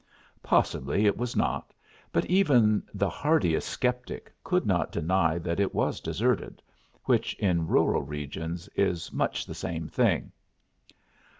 Possibly it was not, but even the hardiest sceptic could not deny that it was deserted which in rural regions is much the same thing.